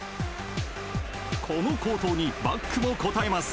この好投にバックも応えます。